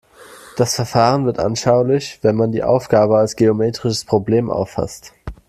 Das Verfahren wird anschaulich, wenn man die Aufgabe als geometrisches Problem auffasst.